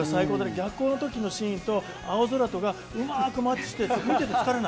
逆光の時のシーンと青空とがうまくマッチしてて見てて疲れない。